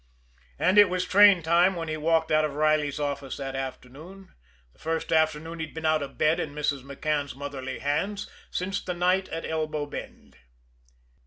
And it was train time when he walked out of Riley's office that afternoon the first afternoon he'd been out of bed and Mrs. McCann's motherly hands since the night at Elbow Bend.